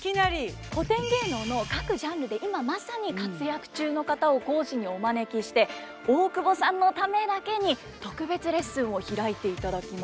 古典芸能の各ジャンルで今まさに活躍中の方を講師にお招きして大久保さんのためだけに特別レッスンを開いていただきます。